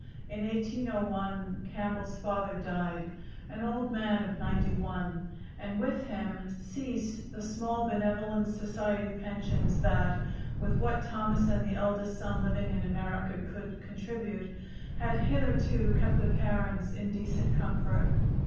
In 1801 Campbell's father died, an old man of ninety one, and with him ceased the small benevolent society pensions that, with what Thomas and the eldest son living in America could contribute, had hitherto kept the parents in decent comfort.